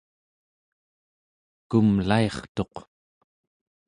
kumlairtuq